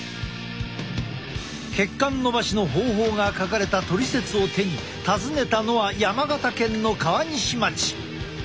血管のばしの方法が書かれたトリセツを手に訪ねたのは山形県の川西町。